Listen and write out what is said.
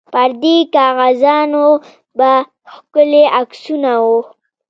پر دې کاغذانو به ښکلي عکسونه وو.